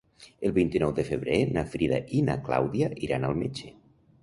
El vint-i-nou de febrer na Frida i na Clàudia iran al metge.